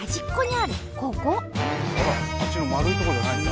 あっちの円いとこじゃないんだ。